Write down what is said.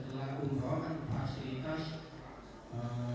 tidak tahu tidak perlu menjelaskan